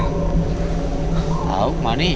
tahu mak nih